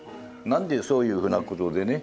何でそういうふうなことでね